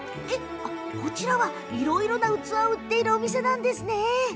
こちらはいろいろな器を売っているお店なんですか？